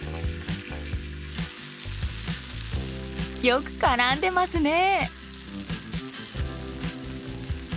よく絡んでますね。